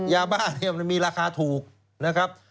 ยาบ้าเนี่ยมันมีราคาถูกนะครับ